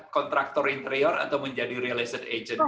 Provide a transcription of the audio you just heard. kontraktor interior atau menjadi real estate agent